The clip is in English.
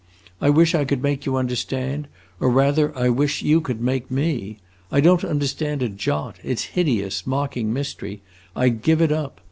I wish I could make you understand; or rather, I wish you could make me! I don't understand a jot; it 's a hideous, mocking mystery; I give it up!